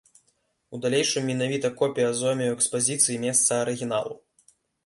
У далейшым менавіта копія зойме ў экспазіцыі месца арыгіналу.